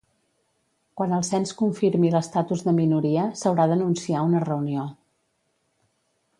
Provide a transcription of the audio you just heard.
Quan el cens confirmi l'estatus de minoria, s'haurà d'anunciar una reunió.